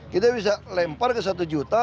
kita bisa lempar ke satu juta